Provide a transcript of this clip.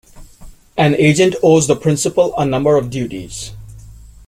An agent owes the principal a number of duties.